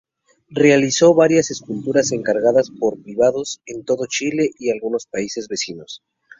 Realizó varias esculturas encargadas por privados en todo Chile y en algunos países vecinos.